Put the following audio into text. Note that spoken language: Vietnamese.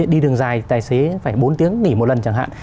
đi đường dài tài xế phải bốn tiếng nghỉ một lần chẳng hạn